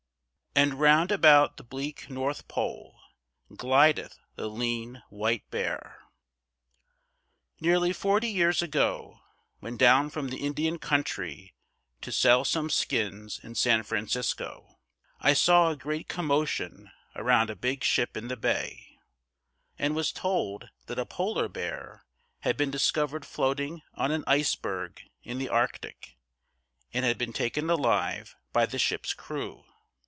"And round about the bleak North Pole Glideth the lean, white bear." Nearly forty years ago, when down from the Indian country to sell some skins in San Francisco, I saw a great commotion around a big ship in the bay, and was told that a Polar bear had been discovered floating on an iceberg in the Arctic, and had been taken alive by the ship's crew.